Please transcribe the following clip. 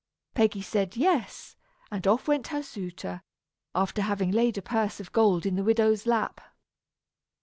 Peggy said "yes," and off went her suitor, after having laid a purse of gold in the widow's lap.